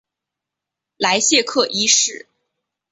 莱谢克一世。